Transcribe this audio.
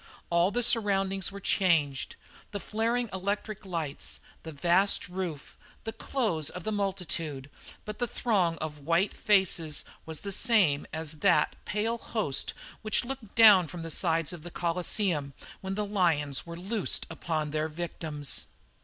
All the surroundings were changed, the flaring electric lights, the vast roof, the clothes of the multitude, but the throng of white faces was the same as that pale host which looked down from the sides of the Coliseum when the lions were loosed upon their victims.